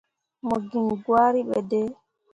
Mo giŋ gwari ɓe dai.